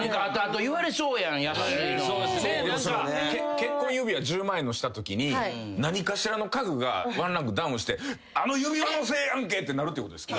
結婚指輪１０万円のしたときに何かしらの家具がワンランクダウンして「あの指輪のせいやんけ！」ってなるってことですか？